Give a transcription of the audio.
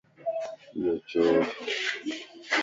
ايو چورَ